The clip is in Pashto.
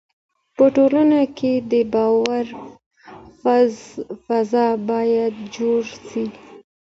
په ټولنه کي د باور فضا باید جوړه سي.